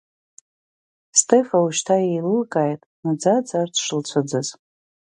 Стефа ушьҭа еилылкааит наӡаӡа урҭ шылцәыӡыз.